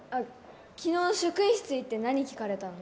昨日職員室行って何聞かれたの？